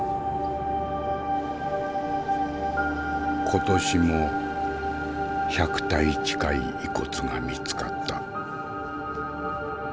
今年も１００体近い遺骨が見つかった。